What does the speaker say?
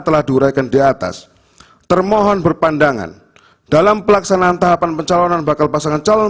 telah diuraikan di atas termohon berpandangan dalam pelaksanaan tahapan pencalonan bakal pasangan calon